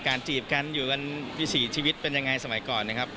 จีบกันอยู่กันกี่ชีวิตเป็นยังไงสมัยก่อนนะครับ